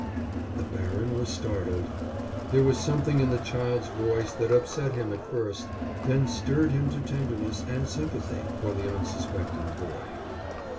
The baron was startled. There was something in the child's voice that upset him at first, then stirred him to tenderness and sympathy for the unsuspecting boy.